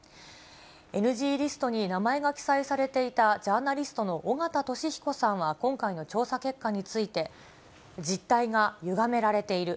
ＮＧリストに名前が記載されていたジャーナリストの尾形聡彦さんは今回の調査結果について、実態がゆがめられている。